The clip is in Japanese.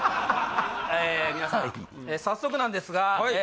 え皆さん早速なんですがはいえ